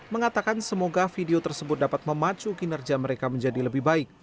mengatakan semoga video tersebut dapat memacu kinerja mereka menjadi lebih baik